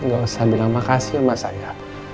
gak usah bilang makasih ya emak saya